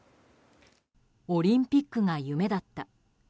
オリンピックが夢だった。